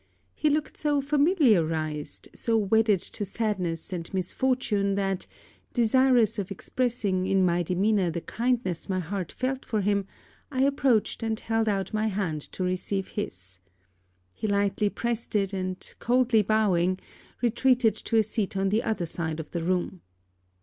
He looked so familiarized, so wedded to sadness and misfortune that, desirous of expressing in my demeanour the kindness my heart felt for him, I approached and held out my hand to receive his. He lightly pressed it; and coldly bowing, retreated to a seat on the other side of the room.